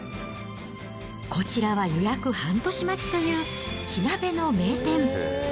こちらは、予約半年待ちという、火鍋の名店。